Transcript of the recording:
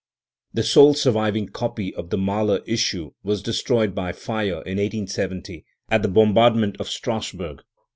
The sole surviving copy of the Malcr issue was destroyed by fire in 1:870 at the bombardment of StraD burg.